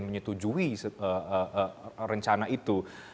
menyetujui rencana itu